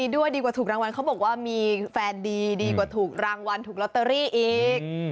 ด้วยดีกว่าถูกรางวัลเขาบอกว่ามีแฟนดีดีกว่าถูกรางวัลถูกลอตเตอรี่อีก